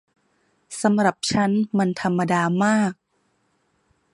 สำหรับฉันมันธรรมดามาก